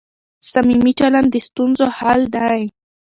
صميمي چلند د ستونزو حل دی.